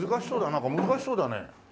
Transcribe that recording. なんか難しそうだね。